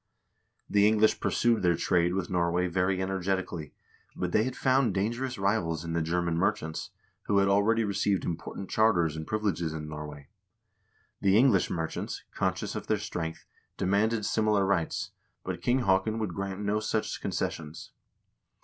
The English pursued their trade with Norway very energetically, but they had found dangerous rivals in the German merchants, who had already received important charters and privileges in Norway. The English merchants, conscious of their strength, demanded similar rights, but King Haakon would grant no such concessions.